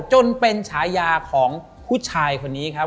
จนเป็นฉายาของผู้ชายคนนี้ครับ